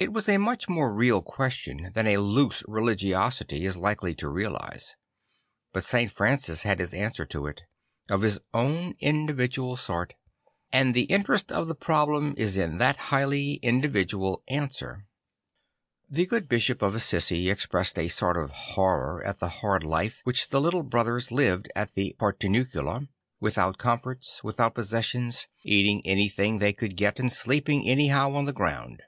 It was a much more real question than a loose reli giosity is likely to realise; but St. Francis had his answer to it, of his own individual sort; and the interest of the problem is in that highly individual answer. The good Bishop of Assisi expressed a sort of horror at the hard life which the Little Brothers lived at the Portiuncula, without comforts, with out possessions, eating anything they could get and sleeping anyho\v on the ground.